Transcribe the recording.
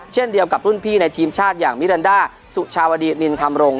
เช่นเดียวกับรุ่นพี่ในทีมชาติอย่างมิรันดาสุชาวดีนินธรรมรงค